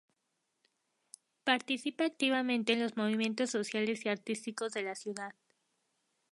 Participa activamente en los movimientos sociales y artísticos de la ciudad.